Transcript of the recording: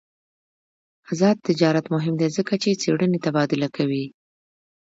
آزاد تجارت مهم دی ځکه چې څېړنې تبادله کوي.